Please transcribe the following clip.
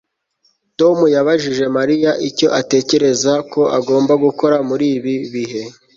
tom yabajije mariya icyo atekereza ko agomba gukora muri ibi bihe